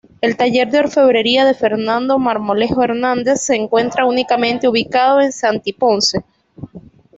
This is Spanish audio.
El taller de orfebrería de Fernando Marmolejo Hernández se encuentra únicamente ubicado en Santiponce.